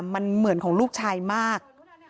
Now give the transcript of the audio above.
มันเหมือนของลูกชายมาก